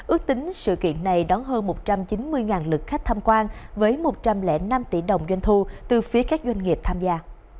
ước tính sự kiện này đón hơn một trăm chín mươi lực khách tham quan với một trăm linh năm tỷ đồng doanh thu từ phía các doanh nghiệp tham gia